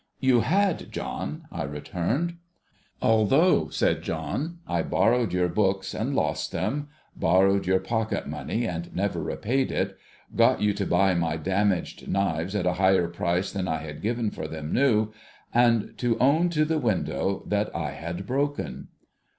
' You had, John,' I returned. ' Although,' said John, ' I borrowed your books and lost them ; borrowed your pocket mone}', and never repaid it ; got you to buy my damaged knives at a higher price than I had given for them new ; and to own to the windows that I had broken.'